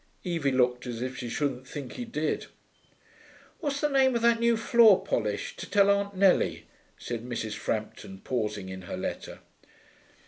Evie looked as if she shouldn't think he did. 'What's the name of that new floor polish, to tell Aunt Nellie?' said Mrs. Frampton, pausing in her letter.